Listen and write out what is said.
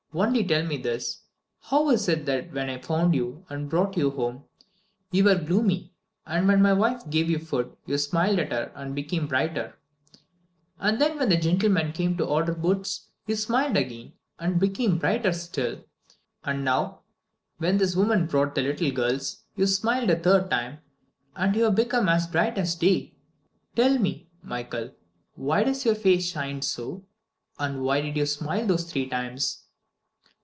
Only tell me this: how is it that when I found you and brought you home, you were gloomy, and when my wife gave you food you smiled at her and became brighter? Then when the gentleman came to order the boots, you smiled again and became brighter still? And now, when this woman brought the little girls, you smiled a third time, and have become as bright as day? Tell me, Michael, why does your face shine so, and why did you smile those three times?"